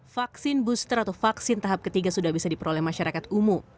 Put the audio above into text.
vaksin booster atau vaksin tahap ketiga sudah bisa diperoleh masyarakat umum